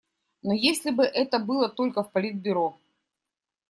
Но если бы это было только в Политбюро.